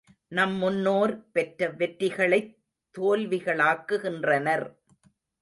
நம் முன்னோர் பெற்ற வெற்றிகளைத் தோல்விகளாக்குகின்றனர்.